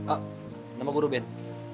ah nama gue ruben